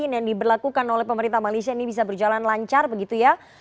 yang diberlakukan oleh pemerintah malaysia ini bisa berjalan lancar begitu ya